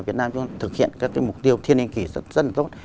việt nam thực hiện các cái mục tiêu thiên nhiên kỷ rất là tốt